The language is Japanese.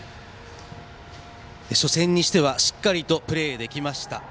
初戦にしてはしっかりとプレーできました。